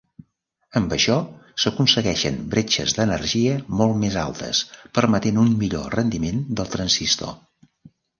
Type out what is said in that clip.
Amb això s'aconsegueixen bretxes d'energia molt més altes permetent un millor rendiment del transistor.